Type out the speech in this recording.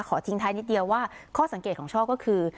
เพราะว่าข้อสังเกตของช่อก็คือ